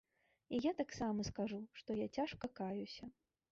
І я таксама скажу, што я цяжка каюся.